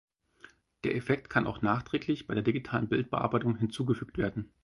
Der Effekt kann auch nachträglich bei der digitalen Bildbearbeitung hinzugefügt werden.